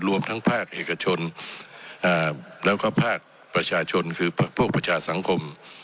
รวมทั้งภาคเอกชนแล้วก็ภาคประชาชนคือพวกประชาสังคม